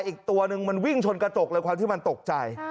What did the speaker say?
อีกตัวนึงมันวิ่งชนกระจกเลยความที่มันตกใจ